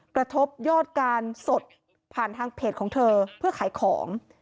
กระทบยอดการสดผ่านทางเพจของเธอเพื่อขายของ